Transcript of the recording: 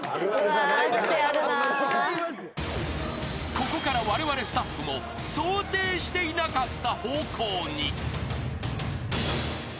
［ここからわれわれスタッフも想定してなかった方向に］